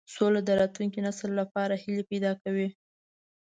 سوله د راتلونکي نسل لپاره هیلې پیدا کوي.